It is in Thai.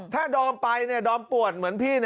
ถ้าดอมไปดอมปวดเหมือนพี่